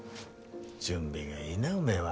準備がいいなおめえは。